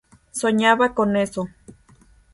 Soñaba con eso.